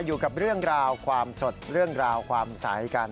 อยู่กับเรื่องราวความสดเรื่องราวความใสกัน